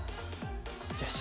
よし。